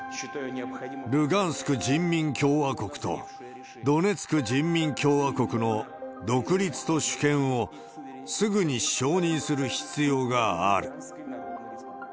ルガンスク人民共和国と、ドネツク人民共和国の独立と主権をすぐに承認する必要がある。